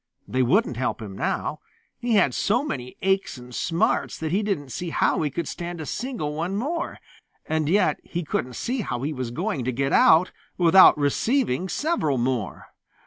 They wouldn't help him now. He had so many aches and smarts that he didn't see how he could stand a single one more, and yet he couldn't see how he was going to get out without receiving several more.